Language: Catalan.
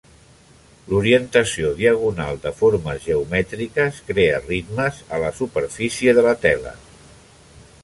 L'orientació diagonal de formes geomètriques crea ritmes a la superfície de la tela.